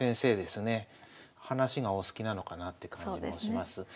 話がお好きなのかなって感じもします。